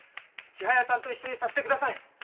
千早さんと一緒にさせてください。